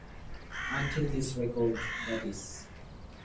Until this record, that is.